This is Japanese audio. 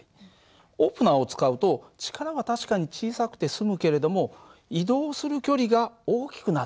オープナーを使うと力は確かに小さくて済むけれども移動する距離が大きくなってしまうんだよね。